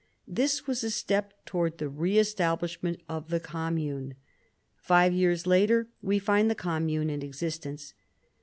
This was a step towards the re establishment of the commune. Five years later we find the commune in existence.